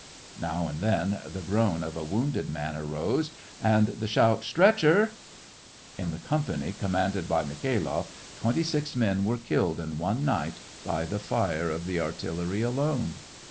" Now and then the groan of a wounded man arose, and the shout, " Stretcher !" (In the company commanded by Mikhai'loff, twenty six men were killed in one night, by the fire of the artillery alone.)